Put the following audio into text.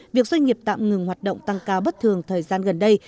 việc doanh nghiệp tạm ngừng hoạt động tăng cao bất thường thời gian gần đây